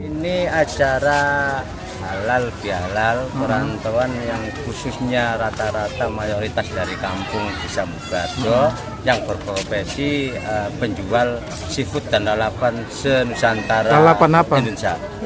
ini acara halal bihalal perantauan yang khususnya rata rata mayoritas dari kampung bisa buka yang berprofesi penjual seafood dan lalapan senusantara indonesia